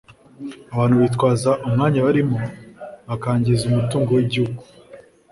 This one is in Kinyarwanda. Abantu bitwaza umwanya barimo bakangiza umutungo w’igihugu